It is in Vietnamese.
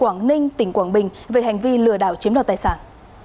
cảnh sát điều tra công an tỉnh quảng bình về hành vi lừa đảo chiếm đoạt tài sản